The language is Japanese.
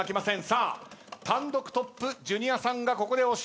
さあ単独トップジュニアさんがここで押した。